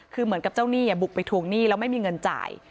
คือเหมือนกับเจ้าหนี้บุกไปทวงหนี้แล้วไม่มีเงินจ่าย